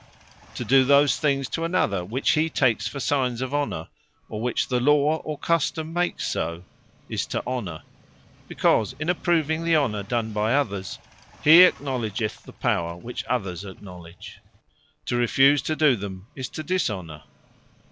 To do those things to another, which he takes for signes of Honour, or which the Law or Custome makes so, is to Honour; because in approving the Honour done by others, he acknowledgeth the power which others acknowledge. To refuse to do them, is to Dishonour.